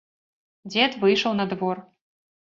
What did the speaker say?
Дзед выйшаў на двор.